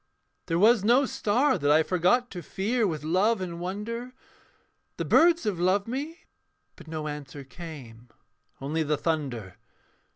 'There was no star that I forgot to fear With love and wonder. The birds have loved me'; but no answer came Only the thunder.